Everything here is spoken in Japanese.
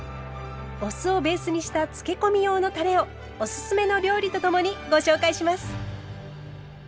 お酢をベースにしたつけ込み用のたれをおすすめの料理とともにご紹介します。